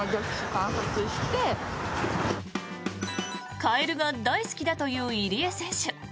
カエルが大好きだという入江選手。